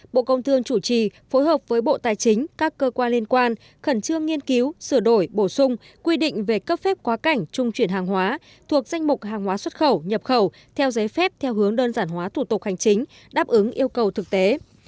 bộ công thương chủ trì phối hợp với bộ tài chính các cơ quan liên quan khẩn trương nghiên cứu sửa đổi bổ sung quy định về cấp phép quá cảnh trung chuyển hàng hóa thuộc danh mục hàng hóa xuất khẩu nhập khẩu theo giấy phép theo hướng đơn giản hóa thủ tục hành chính đáp ứng yêu cầu thực tế